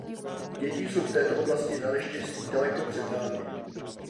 Děti jsou v této oblasti naneštěstí daleko před námi.